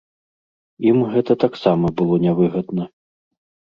Ім гэта таксама было нявыгадна.